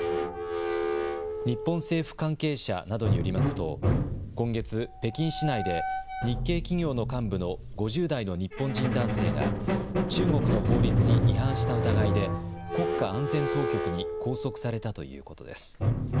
日本政府関係者などによりますと、今月、北京市内で日系企業の幹部の５０代の日本人男性が、中国の法律に違反した疑いで、国家安全当局に拘束されたということです。